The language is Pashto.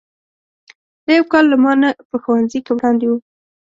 دی یو کال له ما نه په ښوونځي کې وړاندې و.